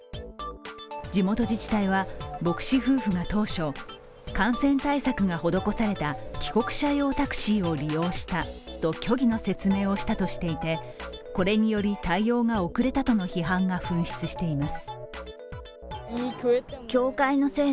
地元自治体は、牧師夫婦が当初、感染対策が施された帰国者用タクシーを利用したと虚偽の説明をしたとしていて、これにより対応が遅れたとの批判が噴出しています。